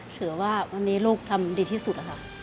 เฉยว่าวันนี้ลูกทำดีที่สุด